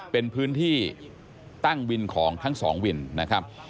เป็นพื้นที่ตั้งวินของทั้งสองวินนะครับ